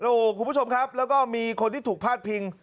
โอ้โหคุณผู้ชมครับแล้วก็มีคนที่ถูกพาดพิง